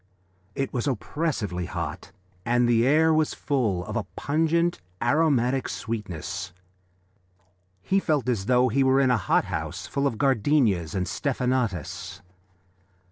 It was oppressively hot and the air was full of a pungent, aromatic sweetness. He felt as though he were in a hot house full of gardenias and stephanotis.